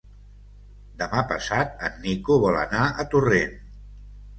Demà passat en Nico vol anar a Torrent.